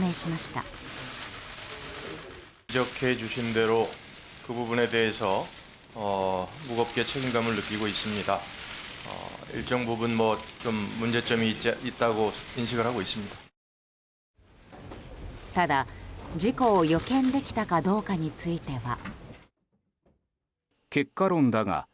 ただ、事故を予見できたかどうかについては。